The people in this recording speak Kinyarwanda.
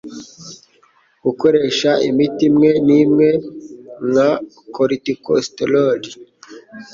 Gukoresha imiti imwe nimwe nka corticosteroids